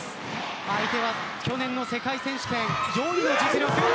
相手は去年の世界選手権４位の実力。